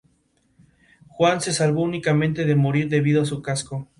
Posteriormente, el zirconio sustituyó al magnesio para producir destellos más brillantes.